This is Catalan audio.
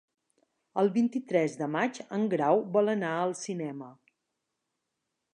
El vint-i-tres de maig en Grau vol anar al cinema.